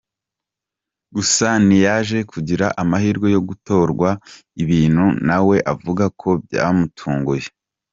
Gusa ntiyaje kugira amahirwe yo gutorwa ibintu nawe avuga ko byamutunguye.